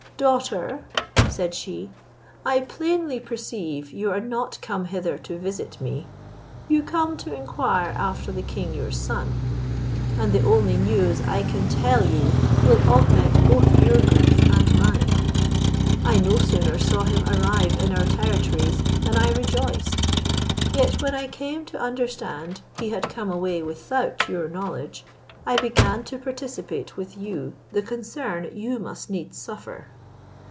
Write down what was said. "Daughter," said she, "I plainly perceive you are not come hither to visit me; you come to inquire after the king your son; and the only news I can tell you will augment both your grief and mine. I no sooner saw him arrive in our territories, than I rejoiced; yet when I came to understand he had come away without your knowledge, I began to participate with you the concern you must needs suffer."